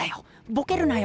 ボケるなよ